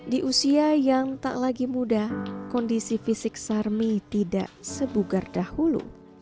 di usia yang tak lagi muda kondisi fisik sarmi tidak sebugar dahulu